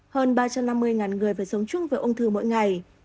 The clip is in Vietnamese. hơn ba trăm năm mươi người phải sống chung với ung thư mỗi ngày